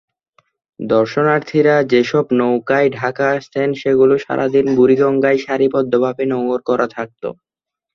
দর্শনার্থীরা যেসব নৌকায় ঢাকা আসতেন সেগুলো সারাদিন বুড়িগঙ্গায় সারিবদ্ধভাবে নোঙ্গর করা থাকত।